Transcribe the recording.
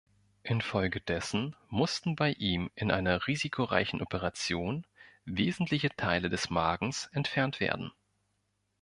Infolgedessen mussten bei ihm in einer risikoreichen Operation wesentliche Teile des Magens entfernt werden.